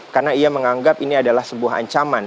karena ia menganggap ini adalah sebuah ancaman